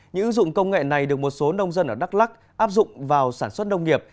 những ứng dụng công nghệ này được một số nông dân ở đắk lắc áp dụng vào sản xuất nông nghiệp